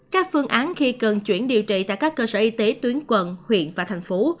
các phương án khi cần chuyển điều trị tại các cơ sở y tế tuyến quận huyện và thành phố